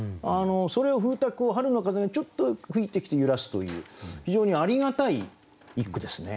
それを風鐸を春の風がちょっと吹いてきて揺らすという非常にありがたい一句ですね。